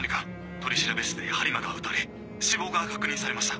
取調室で播磨が撃たれ死亡が確認されました。